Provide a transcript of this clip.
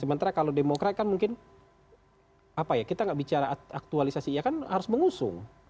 sementara kalau demokrat kan mungkin apa ya kita nggak bicara aktualisasi iya kan harus mengusung